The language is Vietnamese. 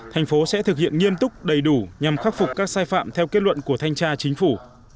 thành phố sẽ thực hiện nghiêm túc đầy đủ nhằm khắc phục các sai phạm theo kết luận của thanh tra chính phủ